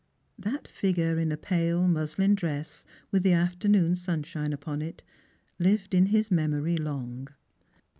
That figure in a pale muslin dress, with tho afternoon sunshine upon it, lived in his memory long.